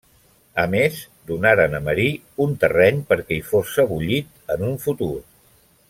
A més, donaren a Marí un terreny perquè hi fos sebollit en un futur.